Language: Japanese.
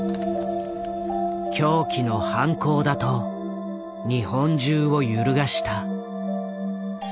狂気の犯行だと日本中を揺るがした。